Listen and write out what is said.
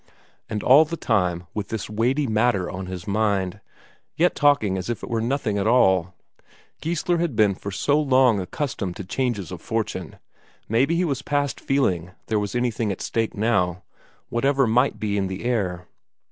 And all the time with this weighty matter on his mind, yet talking as if it were nothing at all. Geissler had long been so long accustomed to changes of fortune, maybe he was past feeling there was anything at stake now, whatever might be in the air.